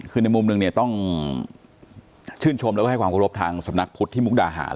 คือในมุมหนึ่งเนี่ยต้องชื่นชมแล้วก็ให้ความเคารพทางสำนักพุทธที่มุกดาหาร